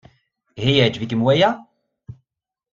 Ihi yeɛjeb-ikem waya?